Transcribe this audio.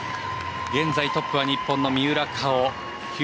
現在トップは日本の三浦佳生９４．０６。